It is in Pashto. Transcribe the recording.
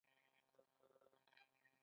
د مخدره توکو قاچاق یوه ستونزه ده.